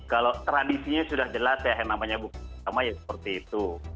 kalau tradisinya sudah jelas ya yang namanya buka bersama ya seperti itu